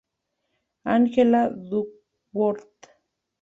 Angela Duckworth.